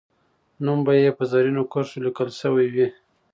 نوم یې به په زرینو کرښو لیکل سوی وي.